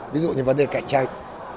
ví dụ như vấn đề cạnh tranh